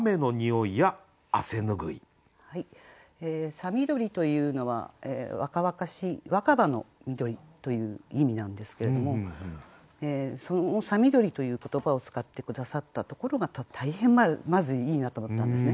「さ緑」というのは若々しい若葉の緑という意味なんですけれどもその「さ緑」という言葉を使って下さったところが大変まずいいなと思ったんですね。